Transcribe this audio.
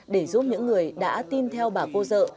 để giúp những người đã tin theo bà cô dợ